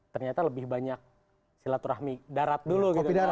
ternyata lebih banyak silaturahmi darat dulu gitu